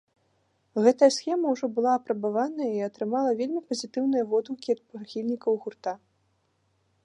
Гэтая схема ўжо была апрабаваная і атрымала вельмі пазітыўныя водгукі ад прыхільнікаў гурта.